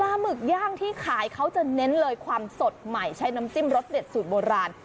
หมึกย่างที่ขายเขาจะเน้นเลยความสดใหม่ใช้น้ำจิ้มรสเด็ดสูตรโบราณ